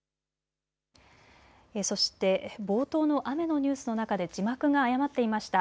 そして冒頭の雨のニュースの中で字幕が誤っていました。